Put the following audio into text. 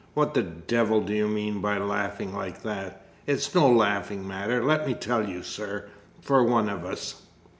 "What the devil do you mean by laughing like that? It's no laughing matter, let me tell you, sir, for one of us!"